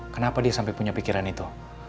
kenapa dia sampai punya pikiran itu